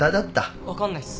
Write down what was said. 分かんないっす